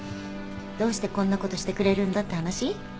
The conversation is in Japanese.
どうしてこんなことしてくれるんだって話？